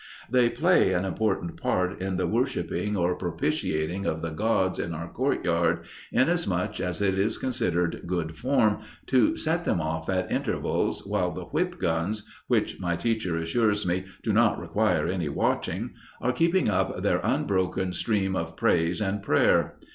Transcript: They play an important part in the worshiping, or propitiating of the gods in our courtyard, inasmuch as it is considered good form to set them off at intervals while the whip guns which my teacher assures me "do not require any watching" are keeping up their unbroken stream of praise and prayer.